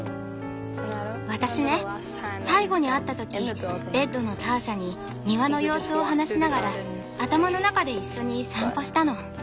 私ね最後に会った時ベッドのターシャに庭の様子を話しながら頭の中で一緒に散歩したの。